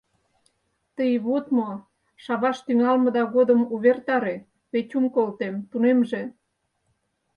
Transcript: — Тый вот мо, шаваш тӱҥалмыда годым увертаре — Петюм колтем, тунемже.